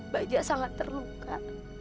bajak sangat terluka